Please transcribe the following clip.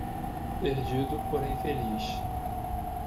Perdido, porém feliz